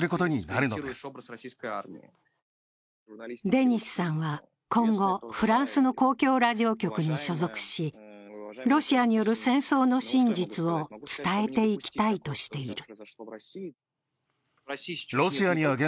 デニスさんは今後、フランスの公共ラジオ局に所属し、ロシアによる戦争の真実を伝えていきたいとしている。